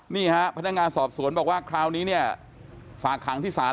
นี่ฮะพนักงานสอบสวนบอกว่าคราวนี้ฝากขังทิศาสตร์